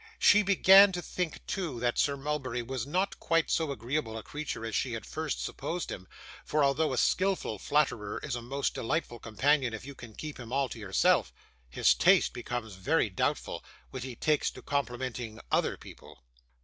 She began to think, too, that Sir Mulberry was not quite so agreeable a creature as she had at first supposed him; for, although a skilful flatterer is a most delightful companion if you can keep him all to yourself, his taste becomes very doubtful when he takes to complimenting other people.